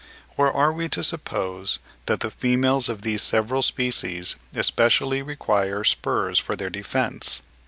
Or are we to suppose that the females of these several species especially require spurs for their defence?